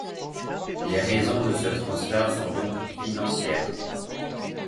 Les raisons de ce transfert sont donc financières.